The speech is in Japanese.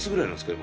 今。